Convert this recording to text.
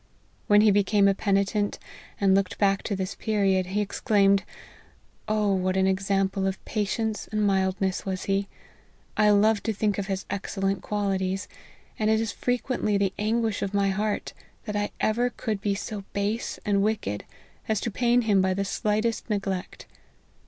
When he became a penitent, and looked back to this period, he exclaimed, " Oh what an example of patience and mildness was he ! I love to think of his excellent qualities, and it is fre quently the anguish of my heart, that I ever could be so base and wicked, as to pain him by the slightest neglect.